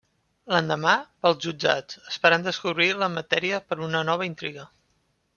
L'endemà, va als jutjats, esperant descobrir matèria per una nova intriga.